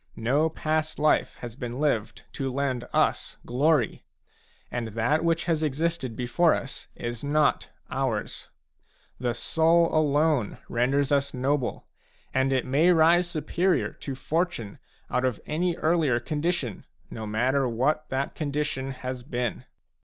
No past life has been lived to lend us glory, and that which has existed before us is not ours ; the soul alone renders us noble, and it may rise superior to Fortune out of any earlier condition, no matter what that condition has been.